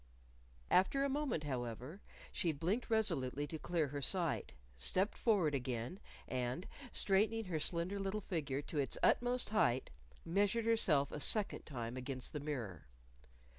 After a moment, however, she blinked resolutely to clear her sight, stepped forward again, and, straightening her slender little figure to its utmost height, measured herself a second time against the mirror.